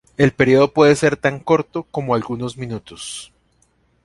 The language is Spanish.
El período puede ser tan corto como algunos minutos.